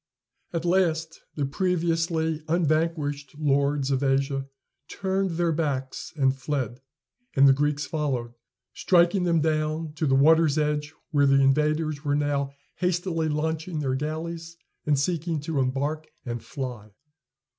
At last the previously unvanquished lords of Asia turned their backs and fled, and the Greeks followed, striking them down, to the water's edge, where the invaders were now hastily launching their galleys, and seeking to embark and fly.